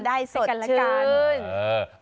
จะได้สดชื่น